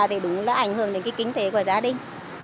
thì đúng là ảnh hưởng đến cái kinh tế của gia đình